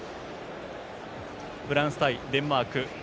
フランス対デンマーク。